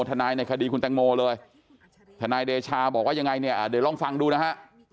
ทนายในคดีคุณแตงโมเลยทนายเดชาบอกว่ายังไงเนี่ยเดี๋ยวลองฟังดูนะฮะ